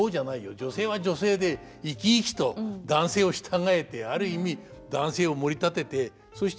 女性は女性で生き生きと男性を従えてある意味男性をもり立ててそして